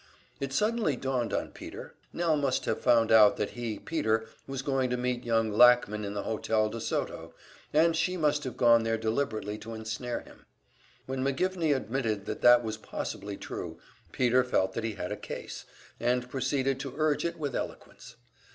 It suddenly dawned on Peter Nell must have found out that he, Peter, was going to meet young Lackman in the Hotel de Soto, and she must have gone there deliberately to ensnare him. When McGivney admitted that that was possibly true, Peter felt that he had a case, and proceeded to urge it with eloquence.